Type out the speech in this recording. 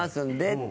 って。